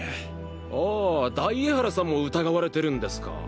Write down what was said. ああ大江原さんも疑われてるんですか。